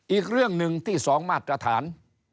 อีกเรื่องหนึ่งที่๒มาตรฐาน